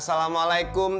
salam saat melound